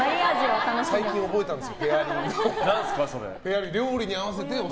最近覚えたんですよ